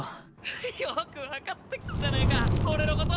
ヘヘッよく分かってきたじゃねぇか俺のこと。